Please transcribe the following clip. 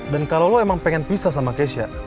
dan kalau lo emang pengen pisah sama keisha